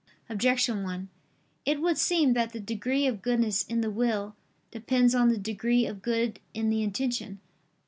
Objection 1: It would seem that the degree of goodness in the will depends on the degree of good in the intention.